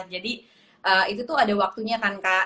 jadi itu tuh ada waktunya kan kak